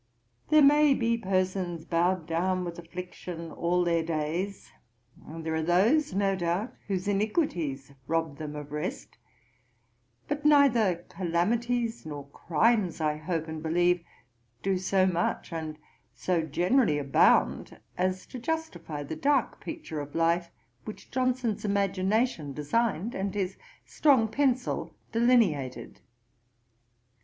There may be persons bowed down with affliction all their days; and there are those, no doubt, whose iniquities rob them of rest; but neither calamities nor crimes, I hope and believe, do so much and so generally abound, as to justify the dark picture of life which Johnson's imagination designed, and his strong pencil delineated.